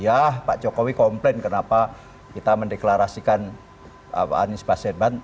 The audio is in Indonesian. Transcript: ya pak jokowi komplain kenapa kita mendeklarasikan anies baswedan